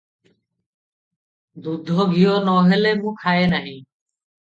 ଦୁଧ ଘିଅ ନ ହେଲେ ମୁଁ ଖାଏ ନାହିଁ ।